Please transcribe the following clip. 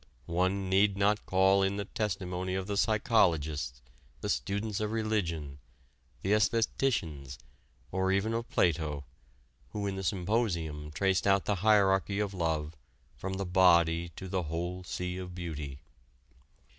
One need not call in the testimony of the psychologists, the students of religion, the æstheticians or even of Plato, who in the "Symposium" traced out the hierarchy of love from the body to the "whole sea of beauty."